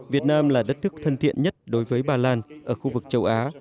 việt nam là đất nước thân thiện nhất đối với bà lan ở khu vực châu á